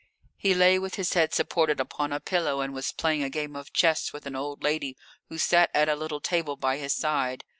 He lay with his head supported upon a pillow, and was playing a game of chess with an old lady who sat at a little table by his side.